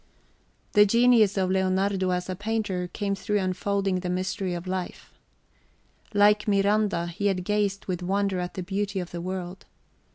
The genius of Leonardo as a painter came through unfolding the mystery of life. Like Miranda, he had gazed with wonder at the beauty of the world.